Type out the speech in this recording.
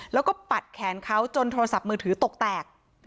แล้วก็ปัดแขนเขาจนโทรศัพท์มือถือตกแตก